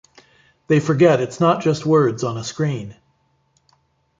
They forget it's not just words on a screen.